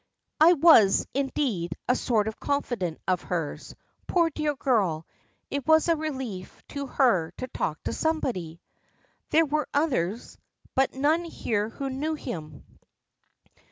"I was, indeed, a sort of confidant of hers. Poor dear girl! it was a relief to her to talk to somebody." "There were others." "But none here who knew him."